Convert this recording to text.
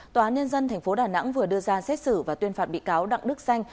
tòa án nhân dân tp đà nẵng vừa đưa ra xét xử và tuyên phạt bị cáo đặng đức xanh